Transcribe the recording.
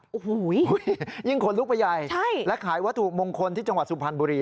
โอ้โหยิ่งคนลุกไปใหญ่และขายวัตถุมงคลที่จังหวัดสุพรรณบุรี